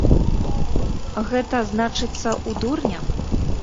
Гэта, значыцца, у дурня?